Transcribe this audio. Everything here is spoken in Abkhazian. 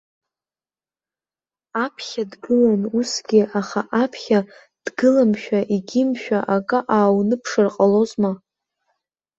Аԥхьа дгылан усгьы аха аԥхьа дгыламшәа-егьимшәа акы аауныԥшыр ҟалозма.